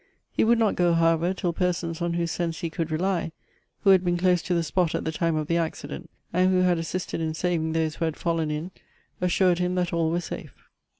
He would not go, however, till per sons on whose sense he could rely, who had been close to the spot at the time of the accident, and who had assisted in saving those who had fallen in, assured him that all were safe.